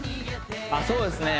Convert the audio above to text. そうですね